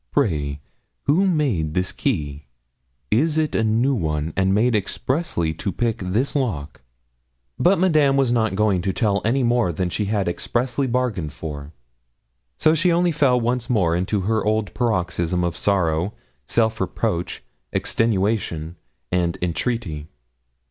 'Pray, who made this key? It is a new one, and made expressly to pick this lock.' But Madame was not going to tell any more than she had expressly bargained for; so she only fell once more into her old paroxysm of sorrow, self reproach, extenuation, and entreaty.